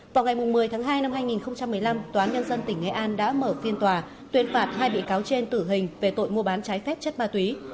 vào ngày một mươi tháng hai năm hai nghìn một mươi năm tòa nhân dân tỉnh nghệ an đã mở phiên tòa tuyên phạt hai bị cáo trên tử hình về tội mua bán trái phép chất ma túy